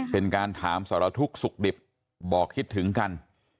เป็นการถามสารทุกข์สุขดิบบอกคิดถึงกัน